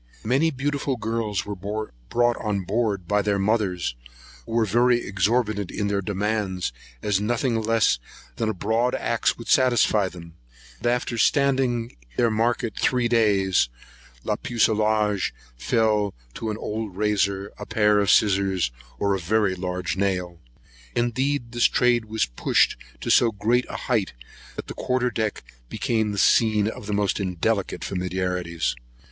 Many beautiful girls were brought on board for sale by their mothers, who were very exorbitant in their demands, as nothing less than a broad axe would satisfy them; but after standing their market three days, la pucelage fell to an old razor, a pair of scissors, or a very large nail. Indeed this trade was pushed to so great a height, that the quarter deck became the scene of the most indelicate familiarities.